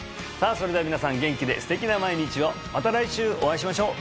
それでは皆さん元気で素敵な毎日をまた来週お会いしましょう！